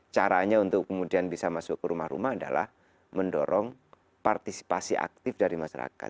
caranya untuk kemudian bisa masuk ke rumah rumah adalah mendorong partisipasi aktif dari masyarakat